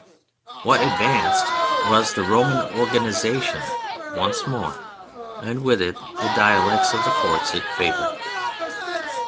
What advanced was the Roman organization once more and, with it, the dialects of the courts it favored.